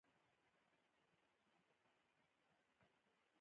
دواړه ستړي شول او په ځمکه پریوتل.